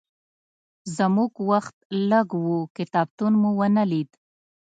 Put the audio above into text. زموږ وخت لږ و، کتابتون مو ونه لید.